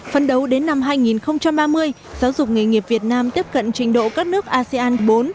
phân đấu đến năm hai nghìn ba mươi giáo dục nghề nghiệp việt nam tiếp cận trình độ các nước asean bốn